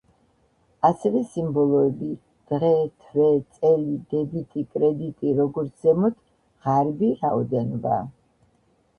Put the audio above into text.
ასევე სიმბოლოები: „დღე“, „თვე“, „წელი“, „დებიტი“, „კრედიტი“, „როგორც ზემოთ“, „ღარიბი“, „რაოდენობა“.